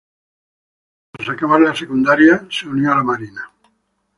Tras acabar la secundaria se unió a la Marina de los Estados Unidos.